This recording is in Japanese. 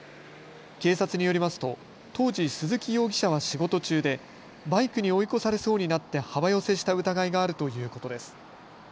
警察によりますと当時、鈴木容疑者は仕事中でバイクに追い越されそうになって幅寄せした疑いがあるということです。